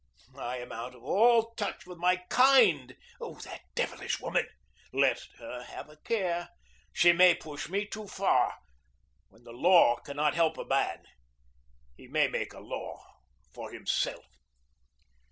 I am out of all touch with my kind. Oh, that devilish woman! Let her have a care! She may push me too far. When the law cannot help a man, he may make a law for himself.